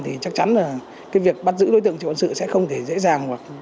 thì chắc chắn là cái việc bắt giữ đối tượng triệu quân sự sẽ không thể dễ dàng